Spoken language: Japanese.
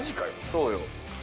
そうよ。